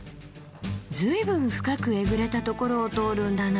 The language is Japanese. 随分深くえぐれたところを通るんだな。